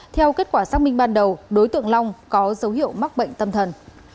theo kết quả xác minh ban đầu đối tượng long có dấu hiệu mắc bệnh tâm thần